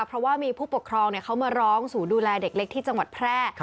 เพราะว่ามีผู้ปกครองเขามาร้องศูนย์ดูแลเด็กเล็กที่จังหวัดแพร่